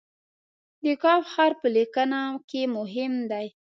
د "ک" حرف په لیکنه کې مهم دی.